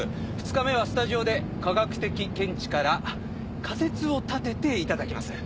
２日目はスタジオで科学的見地から仮説を立てていただきます。